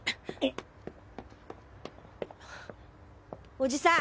おじさん。